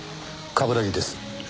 冠城です。